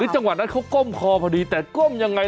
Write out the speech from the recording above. จังหวะนั้นเขาก้มคอพอดีแต่ก้มยังไง